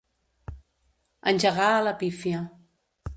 Engegar a la pífia.